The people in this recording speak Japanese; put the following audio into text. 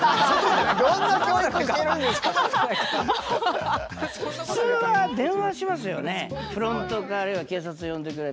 どんな教育してるんですか！